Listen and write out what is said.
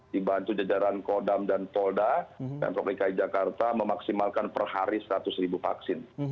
jadi kita bisa memperbaiki jajaran kodam dan polda dan republikan jakarta memaksimalkan perhari seratus ribu vaksin